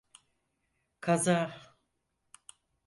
Kaza…